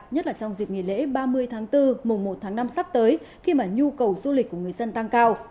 nhất là trong dịp nghỉ lễ ba mươi tháng bốn mùa một tháng năm sắp tới khi mà nhu cầu du lịch của người dân tăng cao